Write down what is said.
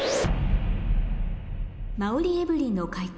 馬瓜エブリンの解答